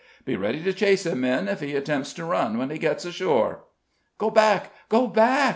Be ready to chase him, men, if he attempts to run when he gets ashore." "Go back! go back!"